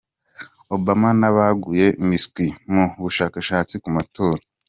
Obama na baguye miswi mu bushakashatsi ku matora